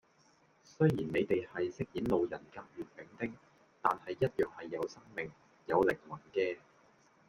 雖然你哋係飾演路人甲乙丙丁，但係一樣係有生命，有靈魂嘅